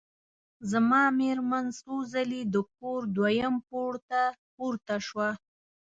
زما مېرمن څو ځلي د کور دویم پوړ ته پورته شوه.